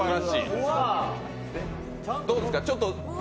どうですか。